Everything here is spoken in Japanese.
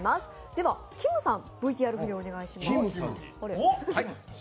では、きむさんＶＴＲ振りお願いします。